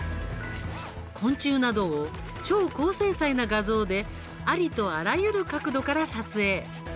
昆虫などを超高精細な画像でありとあらゆる角度から撮影。